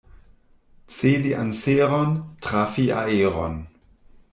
Celi anseron, trafi aeron.